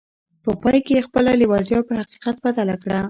په پای کې يې خپله لېوالتیا په حقيقت بدله کړه.